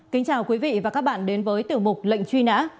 kính chào quý vị và các bạn đến với tiểu mục lệnh truy nã